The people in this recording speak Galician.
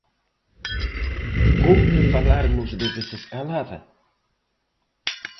Cómpre falarmos de desescalada?